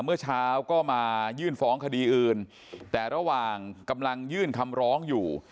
เมื่อเช้าก็มายื่นฟ้องคดีอื่นแต่ระหว่างกำลังยื่นคำร้องอยู่